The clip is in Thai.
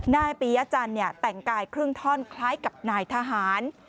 นายปียจันทร์แต่งกายครึ่งท่อนคล้ายกับนายทหาร